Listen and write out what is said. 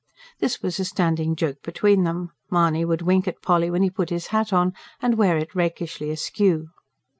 This was a standing joke between them. Mahony would wink at Polly when he put his hat on, and wear it rakishly askew.